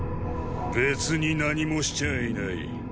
別に何もしちゃいない。